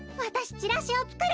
チラシをつくる。